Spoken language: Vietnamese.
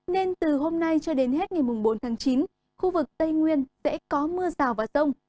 nên từ hôm nay cho đến hết ngày bốn tháng chín khu vực tây nguyên sẽ có mưa rào và rông